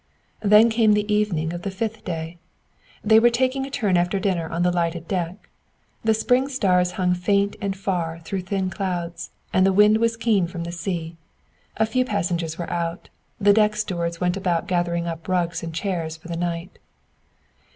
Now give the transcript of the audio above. Then came the evening of the fifth day. They were taking a turn after dinner on the lighted deck. The spring stars hung faint and far through thin clouds and the wind was keen from the sea. A few passengers were out; the deck stewards went about gathering up rugs and chairs for the night.